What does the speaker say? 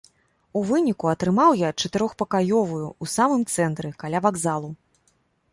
У выніку атрымаў я чатырохпакаёвую ў самым цэнтры, каля вакзалу.